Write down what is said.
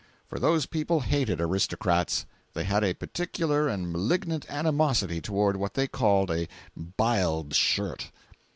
For those people hated aristocrats. They had a particular and malignant animosity toward what they called a "biled shirt."